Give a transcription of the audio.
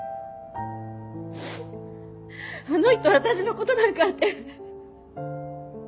あの人私の事なんかって。